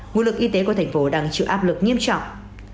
nguồn lực y tế của thành phố đang chịu áp lực nghiêm trọng